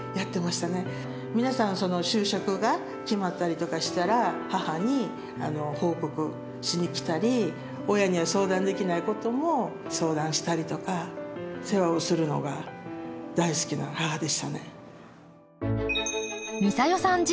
皆さん就職が決まったりとかしたら母に報告しに来たり親には相談できないことも相談したりとか世話をするのが大好きな母でしたね。